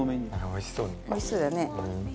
財前：おいしそうだね。